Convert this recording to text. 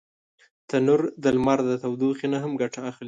تنور د لمر د تودوخي نه هم ګټه اخلي